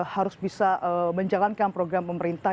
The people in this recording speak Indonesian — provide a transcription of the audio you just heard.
harus bisa menjalankan program pemerintah